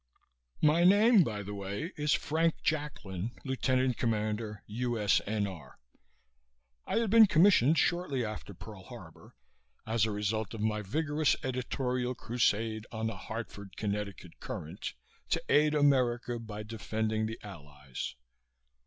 My name, by the way, is Frank Jacklin, Lieutenant Commander, U.S.N.R. I had been commissioned shortly after Pearl Harbor, as a result of my vigorous editorial crusade on the Hartford (Conn.) Courant to Aid America by Defending the Allies.